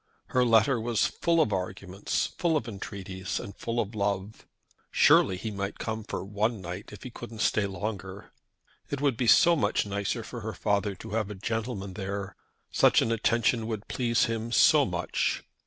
Her letter was full of arguments, full of entreaties, and full of love. Surely he might come for one night, if he couldn't stay longer. It would be so much nicer for her father to have a gentleman there. Such an attention would please him so much!